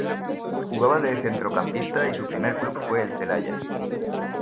Jugaba de centrocampista y su primer club fue el Celaya.